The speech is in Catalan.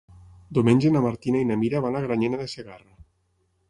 Diumenge na Martina i na Mira van a Granyena de Segarra.